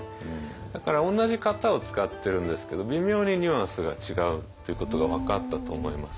だから同じ型を使ってるんですけど微妙にニュアンスが違うっていうことが分かったと思います。